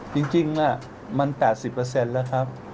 ก็ยังมีครับยังครับจริงมัน๘๐แล้วครับ